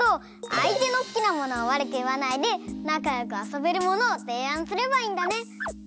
あいてのすきなものをわるくいわないでなかよくあそべるものをていあんすればいいんだね。